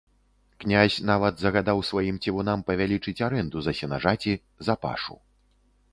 Князь нават загадаў сваім цівунам павялічыць арэнду за сенажаці, за пашу.